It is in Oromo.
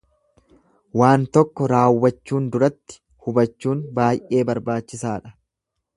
Waan tokko raawwachuun duratti hubachuun baay'ee barbaachisaadha.